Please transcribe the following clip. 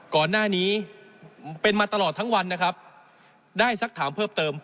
ก่อนหน้านี้เป็นมาตลอดทั้งวันนะครับได้สักถามเพิ่มเติม